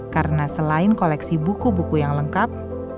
karena selain koleksi buku buku yang lengkap